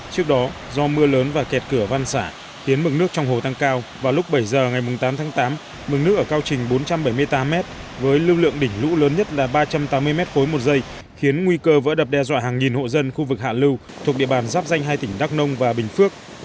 trước đó do mưa lớn và kẹt cửa văn xả khiến mực nước trong hồ tăng cao vào lúc bảy giờ ngày tám tháng tám mực nước ở cao trình bốn trăm bảy mươi tám m với lưu lượng đỉnh lũ lớn nhất là ba trăm tám mươi m ba một giây khiến nguy cơ vỡ đập đe dọa hàng nghìn hộ dân khu vực hạ lưu thuộc địa bàn giáp danh hai tỉnh đắk nông và bình phước